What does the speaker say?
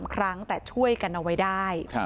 ๓ครั้งแต่ช่วยกันเอาไว้ได้